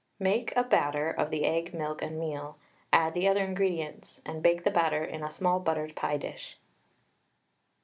Make a batter of the egg, milk, and meal, add the other ingredients, and bake the batter in a small buttered pie dish.